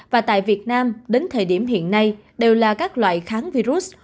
và tại việt nam đến thời điểm hiện nay đều là các loại kháng virus